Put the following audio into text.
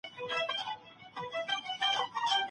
ډاکټره اوږده پاڼه نه ده ړنګه کړې.